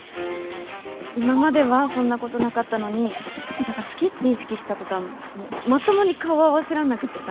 今まではそんなことなかったのに何か好きって意識した途端もうまともに顔合わせらんなくてさ。